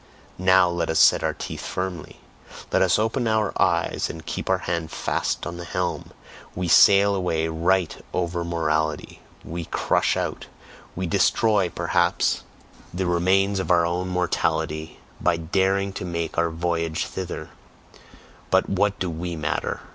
now let us set our teeth firmly! let us open our eyes and keep our hand fast on the helm! We sail away right OVER morality, we crush out, we destroy perhaps the remains of our own morality by daring to make our voyage thither but what do WE matter.